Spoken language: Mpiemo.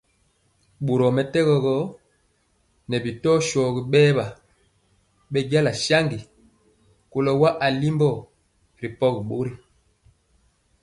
Borɔ mɛtɛgɔ gɔ, ŋɛɛ bi shónja bɛɛwa bɛnja saŋgi kɔlo wa alimbɔ ripɔgi bori.